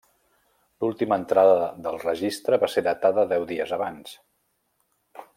L'última entrada del registre va ser datada deu dies abans.